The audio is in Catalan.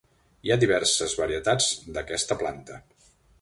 Hi ha diverses varietats d’aquesta planta.